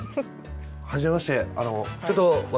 はじめまして。